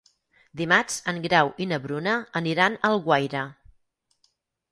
Dimarts en Grau i na Bruna aniran a Alguaire.